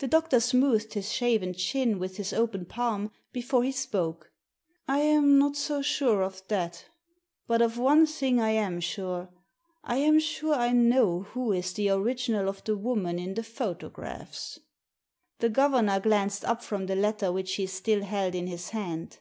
The doctor smoothed his shaven chin with his open palm before he spoke. "I am not so sure of that But of one thing I am sure. I am sure I know who is the original of the woman in the photographs." The governor glanced up from the letter which he still held in his hand.